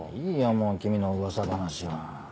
もう君の噂話は。